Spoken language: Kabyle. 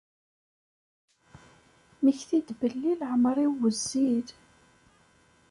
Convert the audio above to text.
Mmekti-d belli leεmer-iw wezzil.